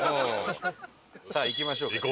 さあ行きましょうか。